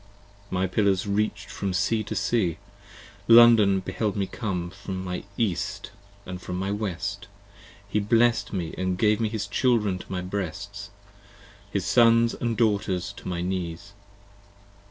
My pillars reach'd from sea to sea; London beheld me come 25 From my east & from my west, he blessed me and gave His children to my breasts, his sons & daughters to my knees.